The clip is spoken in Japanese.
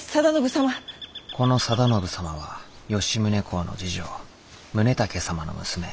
この定信様は吉宗公の次女宗武様の女。